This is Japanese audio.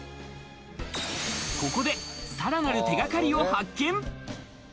ここで、さらなる手掛かりを発見。